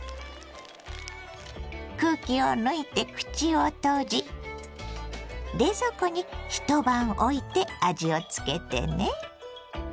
空気を抜いて口を閉じ冷蔵庫に一晩おいて味をつけてね。